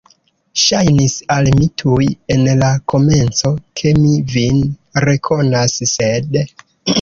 Ŝajnis al mi tuj en la komenco, ke mi vin rekonas, sed.